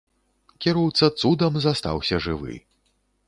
Кіроўца цудам застаўся жывы.